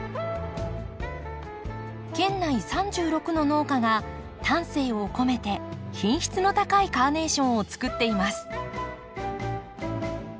県内３６の農家が丹精を込めて品質の高いカーネーションをつくっています。